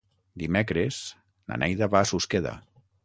Dimecres na Neida va a Susqueda.